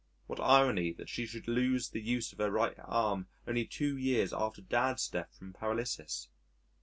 What irony that she should lose the use of her right arm only two years after Dad's death from paralysis.